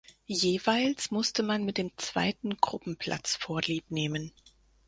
Jeweils musste man mit dem zweiten Gruppenplatz vorliebnehmen.